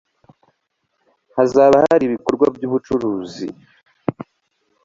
hazaba hari ibikorwa by'ubucuruzi